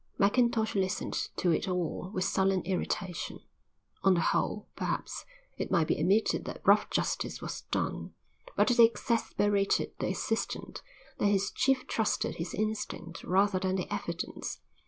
Mackintosh listened to it all with sullen irritation. On the whole, perhaps, it might be admitted that rough justice was done, but it exasperated the assistant that his chief trusted his instinct rather than the evidence.